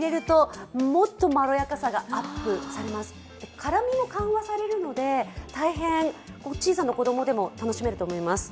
辛みも緩和されるので小さな子供でも楽しめると思います。